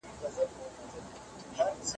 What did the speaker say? که ئې هيڅ احتمال نه درلود، نو هغه لغو ګڼل کيږي.